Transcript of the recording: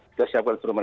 kita siapkan instrumen